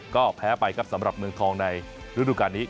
ก็แพ้ไปครับสำหรับเมืองทองในฤดูการนี้